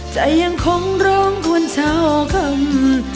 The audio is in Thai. ใจยังคงร้องกวนเศร้าคำ